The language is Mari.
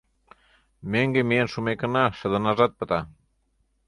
Мӧҥгӧ миен шумекына шыдынажат пыта.